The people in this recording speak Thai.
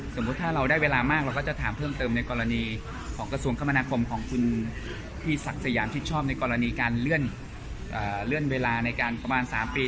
สมมุติถ้าเราได้เวลามากเราก็จะถามเพิ่มเติมในกรณีของกระทรวงคมศักดิ์สักษะยามชิดชอบในกรณีการเลื่อนเวลาประมาณสามปี